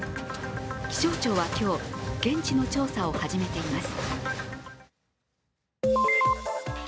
気象庁は今日、現地の調査を始めています。